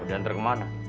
lo diantar kemana